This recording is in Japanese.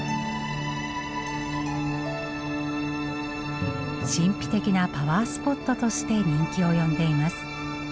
神秘的なパワースポットとして人気を呼んでいます。